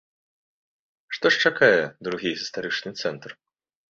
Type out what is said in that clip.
Што ж чакае другі гістарычны цэнтр?